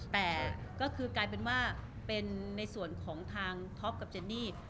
แต่ก็คือกลายเป็นว่าเป็นในส่วนของทางท็อปกับเจนนี่